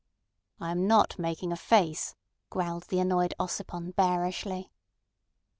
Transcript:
"I am not making a face," growled the annoyed Ossipon bearishly.